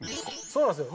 そうなんですよ。